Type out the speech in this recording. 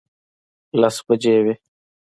لس بجې وې.